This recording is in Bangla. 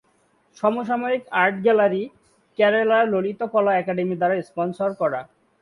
সমসাময়িক art gallery, Kerala Lalit Kala academy দ্বারা স্পনসর করা।